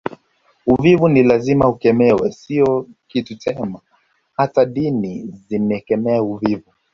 Uvivu ni lazima ukemewe sio kitu chema hata dini zimekemea uvivu